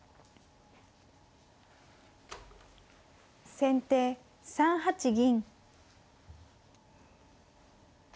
先手３八銀。